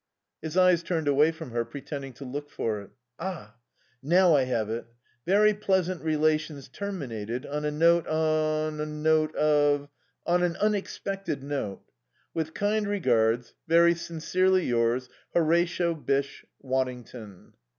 His eyes turned away from her, pretending to look for it. "Ah now I have it. 'Very pleasant relations terminated on a note on a note of on an unexpected note. "'With kind regards, very sincerely yours, "'HORATIO BYSSHE WADDINGTON.'